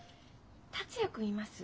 達也君います？